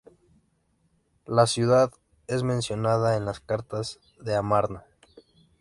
La ciudad es mencionada en las Cartas de Amarna.